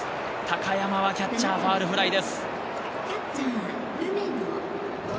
高山はキャッチャーファウルフライです。